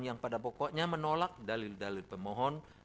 yang pada pokoknya menolak dalil dalil pemohon